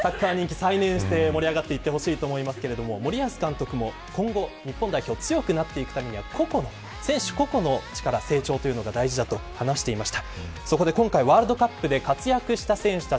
良幸さん、ちゃんとサッカー人気、再燃して盛り上がってほしいですが森保監督も今後、日本代表が強くなっていくためには選手個々の成長が大事だと話していました。